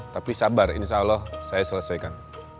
tapi sabar insya allah saya selesaikan